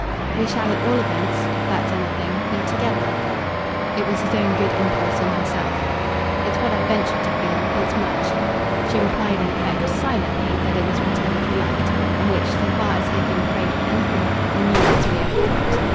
"We shall at all events if that's anything be together." It was his own good impulse in herself. "It's what I've ventured to feel. It's much." She replied in effect, silently, that it was whatever he liked; on which, so far as he had been afraid for anything, he knew his fear had dropped.